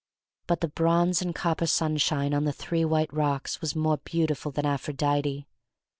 But the bronze and copper sunshine on the three white rocks was more beautiful than Aphrodite.